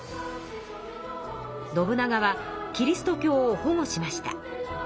信長はキリスト教を保護しました。